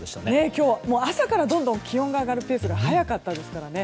今日、朝からどんどん気温が上がるペースが速かったですからね。